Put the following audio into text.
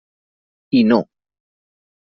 I no.